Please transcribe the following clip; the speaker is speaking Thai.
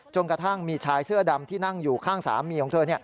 กระทั่งมีชายเสื้อดำที่นั่งอยู่ข้างสามีของเธอ